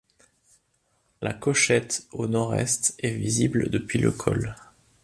La Cochette, au nord-est, est visible depuis le col.